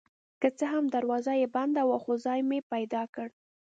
که څه هم دروازه یې بنده وه خو ځای مې پیدا کړ.